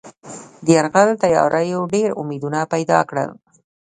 د یرغل تیاریو ډېر امیدونه پیدا کړل.